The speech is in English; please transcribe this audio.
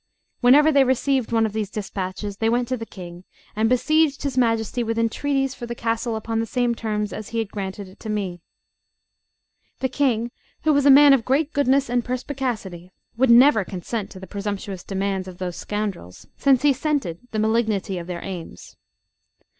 Whenever they received one of these despatches, they went to the King, and besieged his Majesty with entreaties for the castle upon the same terms as he had granted it to me. The King, who was a man of great goodness and perspicacity, would never consent to the presumptuous demands of those scoundrels, since he scented the malignity of their aims.